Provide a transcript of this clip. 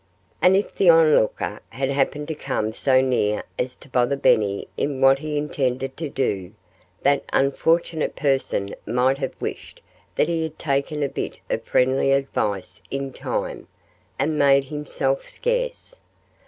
And if the onlooker had happened to come so near as to bother Benny in what he intended to do, that unfortunate person might have wished that he had taken a bit of friendly advice in time, and made himself scarce.